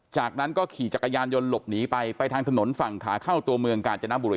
จากนั้นก็ขี่จักรยานยนต์หลบหนีไปไปทางถนนฝั่งขาเข้าตัวเมืองกาญจนบุรี